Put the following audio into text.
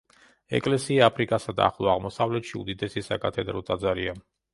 ეკლესია აფრიკასა და ახლო აღმოსავლეთში უდიდესი საკათედრო ტაძარია.